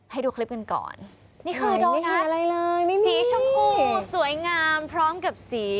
ให้ดูคลิปกันก่อนนี่คือโดนัทสีชมพูสวยงามพร้อมกับสี